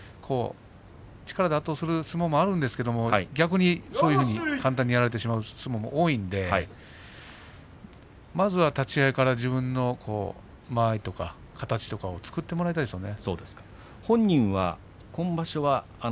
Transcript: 力で圧倒する相撲もありますが逆に簡単にやられてしまう相撲も多いのでまずは立ち合いから自分の間合いとか、形とかを作ってもらいたいですね。